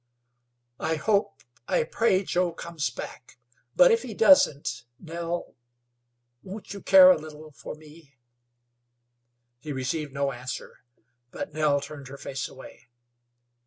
"I hope I pray Joe comes back, but if he doesn't Nell won't you care a little for me?" He received no answer. But Nell turned her face away.